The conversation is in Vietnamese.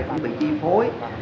cũng bị chi phối